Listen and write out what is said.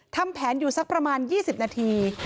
ทำแผนอยู่สักประมาณ๒๐นาที